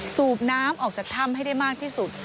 สูบน้ำออกจากถ้ำให้ได้มากที่สุด